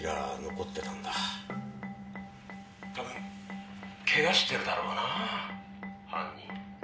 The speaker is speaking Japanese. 「多分ケガしてるだろうなぁ犯人」